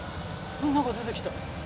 なんか出てきた。